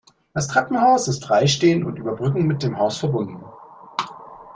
Das Treppenhaus ist freistehend und über Brücken mit dem Haus verbunden.